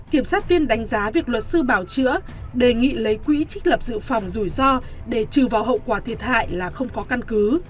kiểm sát viên đánh giá việc luật sư bảo chữa đề nghị lấy quỹ trích lập dự phòng rủi ro để trừ vào hậu quả thiệt hại là không có căn cứ